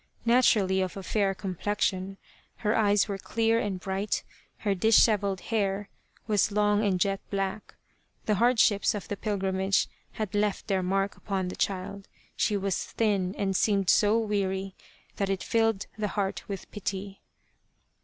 Naturally of a fair complexion, her eyes were clear and bright, her dishevelled hair was long and jet black. The hardships of the pilgrimage had left their mark upon the child, she was thin and seemed so weary, that it filled the heart with pity.